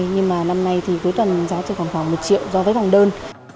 nhưng mà năm nay thì cuối tuần giá cho phòng khoảng một triệu do với phòng đơn